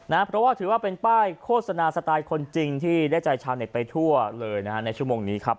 เพราะว่าถือว่าเป็นป้ายโฆษณาสไตล์คนจริงที่ได้ใจชาวเน็ตไปทั่วเลยนะฮะในชั่วโมงนี้ครับ